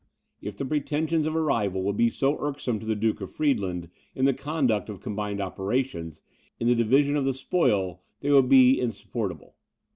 If the pretensions of a rival would be so irksome to the Duke of Friedland, in the conduct of combined operations, in the division of the spoil they would be insupportable.